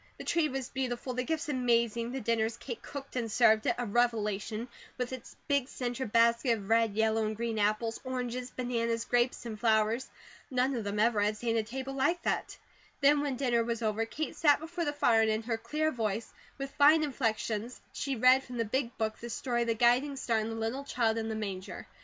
The tree was beautiful, the gifts amazing, the dinner, as Kate cooked and served it, a revelation, with its big centre basket of red, yellow, and green apples, oranges, bananas, grapes, and flowers. None of them ever had seen a table like that. Then when dinner was over, Kate sat before the fire and in her clear voice, with fine inflections, she read from the Big Book the story of the guiding star and the little child in the manger.